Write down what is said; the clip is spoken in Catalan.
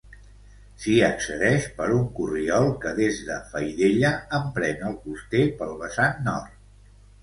S'hi accedeix per un corriol que des de Faidella emprèn el coster pel vessant nord.